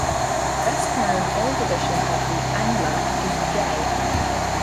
The best-known old edition of the "Angler" is J.